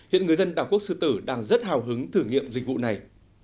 hiện người dân đảo quốc sư tử đang rất hào hứng thử nghiệm dịch vụ này